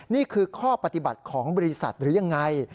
นี่คือข้อปฏิบัติของบริษัทหรือยังไง